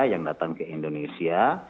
yang datang ke indonesia